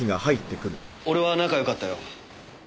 俺は仲良かったよ。